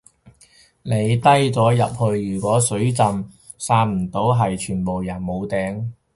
你低咗入去如果水浸到散唔到係全部人沒頂